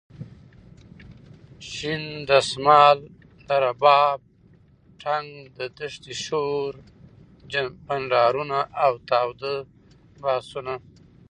شین دسمال ،د رباب ټنګ د دښتې شور ،بنډارونه اوتاوده بحثونه.